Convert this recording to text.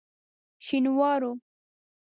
شینوارو.